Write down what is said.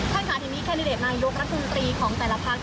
ค่ะทีนี้แคนดิเดตนายกรัฐมนตรีของแต่ละพัก